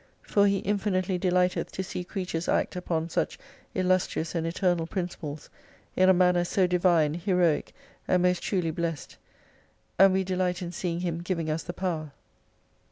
For He infinitely delighteth to see creatures act upon such illustrious and eternal principles, in a manner so divine, heroic, and most truly blessed; and we delight in seeing Him giving us the power.